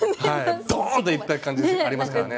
ドーン！といった感じありますからね。